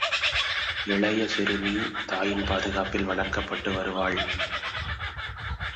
இளைய சிறுமி, தாயின் பாதுகாப்பில் வளர்க்கப்பட்டு வருவாள்.